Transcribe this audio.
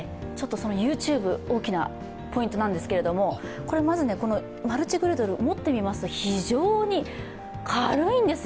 ＹｏｕＴｕｂｅ、大きなポイントなんですけれども、まずマルチグリドル、持ってみますと、非常に軽いんですよ。